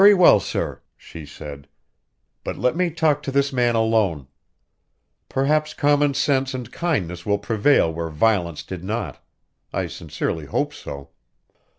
"Very well, sir," she said. "But let me talk to this man alone. Perhaps common sense and kindness will prevail where violence did not. I sincerely hope so."